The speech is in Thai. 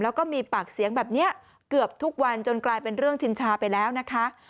แล้วก็มีปากเสียงแบบนี้เกือบทุกวันจนกลายเป็นเรื่องชินชาไปแล้วนะคะ